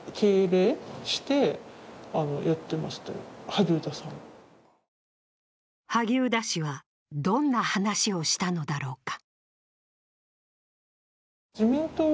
萩生田氏は、どんな話をしたのだろうか。